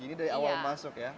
ini dari awal masuk ya